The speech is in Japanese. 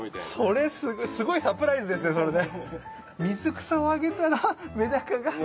それすごいサプライズですねそれね。